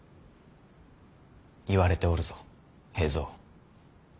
言われておるぞ平三。